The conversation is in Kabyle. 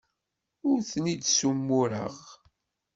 Ur ten-id-ssumureɣ.